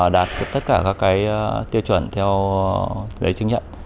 đạt tất cả các tiêu chuẩn theo giấy chứng nhận